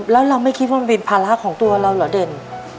แล้วเราไม่คิดว่ามันเป็นภาระของตัวเราเหรอเด่น